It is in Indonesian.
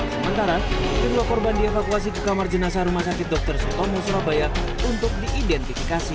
sementara jumlah korban dievakuasi ke kamar jenazah rumah sakit dr sutomo surabaya untuk diidentifikasi